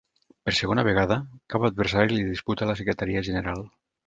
Per segona vegada, cap adversari li disputa la Secretaria General.